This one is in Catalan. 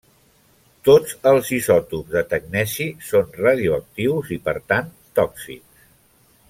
Tots els isòtops de tecneci són radioactius i per tant tòxics.